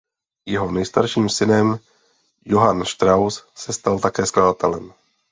Jeho nejstarší syn Johann Strauss se stal také skladatelem.